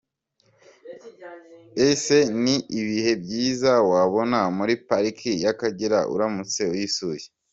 Ese ni ibihe byiza wabona muri Pariki y’Akagera uramutse uyisuye?.